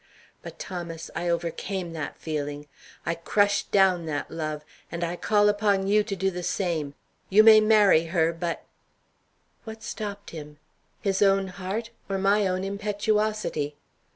But, Thomas, I overcame that feeling. I crushed down that love, and I call upon you to do the same. You may marry her, but " What stopped him? His own heart or my own impetuosity?